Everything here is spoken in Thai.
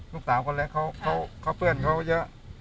ลูกสาวคนเล็กเขาเพื่อนเขาเยอะ